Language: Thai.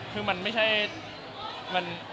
คือมันไม่ใช่